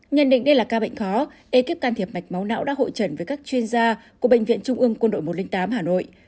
nhận định đây là ca bệnh khó ekip can thiệp mạch máu não đã hội trần với các chuyên gia của bệnh viện trung ương quân đội một trăm linh tám hà nội